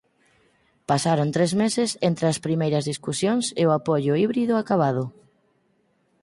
Pasaron tres meses entre as primeiras discusións e o Apollo híbrido acabado.